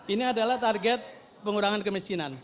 ini adalah target pengurangan kemiskinan